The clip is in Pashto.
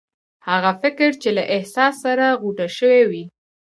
هغه فکر چې له احساس سره غوټه شوی وي.